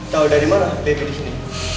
tau dari mana baby disini